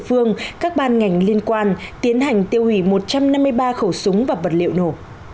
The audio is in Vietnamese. phương các ban ngành liên quan tiến hành tiêu hủy một trăm năm mươi ba khẩu súng và vật liệu nổ